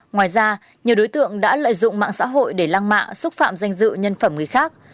ngoài ra nhiều đối tượng đã lợi dụng mạng xã hội để lăng mạ xúc phạm danh dự nhân phẩm người khác